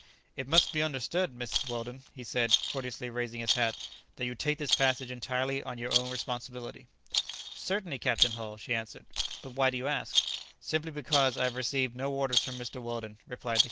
"It must be understood, Mrs. Weldon," he said, courteously raising his hat, "that you take this passage entirely on your own responsibility." "Certainly, Captain Hull," she answered; "but why do you ask?" "Simply because I have received no orders from Mr. Weldon," replied the captain.